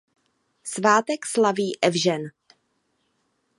Svátek slaví Evžen.